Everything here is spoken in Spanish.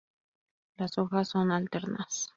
Las hojas son alternas.